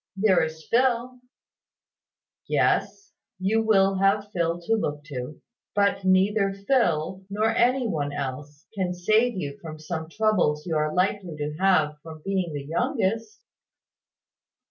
"There is Phil " "Yes. You will have Phil to look to. But neither Phil, nor any one else, can save you from some troubles you are likely to have from being the youngest."